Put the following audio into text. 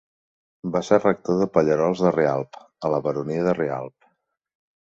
Va ser rector de Pallerols de Rialb, a la Baronia de Rialb.